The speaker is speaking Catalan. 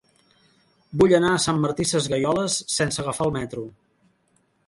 Vull anar a Sant Martí Sesgueioles sense agafar el metro.